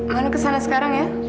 mano kesana sekarang ya